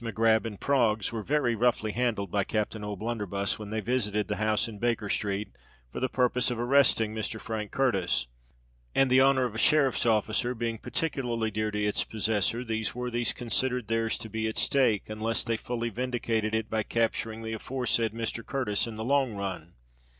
Mac Grab and Proggs were very roughly handled by captain O'Blunderbuss, when they visited the house in Baker Street for the purpose of arresting Mr. Frank Curtis; and, the honour of a sheriff's officer being particularly dear to its possessor, those worthies considered their's to be at stake, unless they fully vindicated it by capturing the aforesaid Mr. Curtis in the long run.